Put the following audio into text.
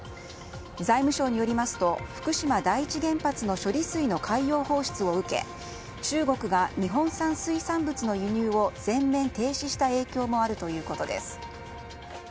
財務省によりますと福島第一原発の処理水の海洋放出を受け中国が日本産水産物の輸入を全面停止した影響もあるということです。